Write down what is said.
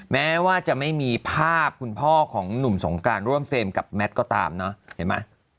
แม้ว่าจะไม่มีภาพคุณพ่อของหนุ่มสงการร่วมเฟรมกับแมทก็ตามเนอะเห็นไหม